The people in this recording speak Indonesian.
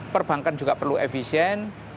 perbankan juga perlu efisien